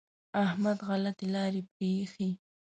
احمد غلطې لارې پرېښې.